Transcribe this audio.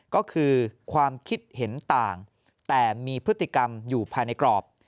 ก็คือความคิดเห็นต่างแต่มีพฤติกรรมอยู่ภายในกรอบ